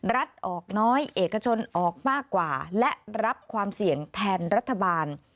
ออกน้อยเอกชนออกมากว่าและรับความเสี่ยงแทนรัฐบาล